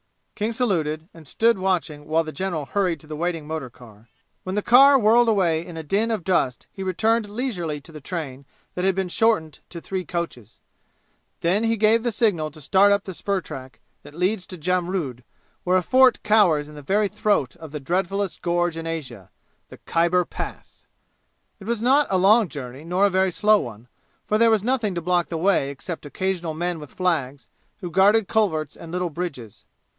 King saluted and stood watching while the general hurried to the waiting motor car. When the car whirled away in a din of dust he returned leisurely to the train that had been shortened to three coaches. Then he gave the signal to start up the spur track, that leads to Jamrud, where a fort cowers in the very throat of the dreadfulest gorge in Asia the Khyber Pass. It was not a long journey, nor a very slow one, for there was nothing to block the way except occasional men with flags, who guarded culverts and little bridges.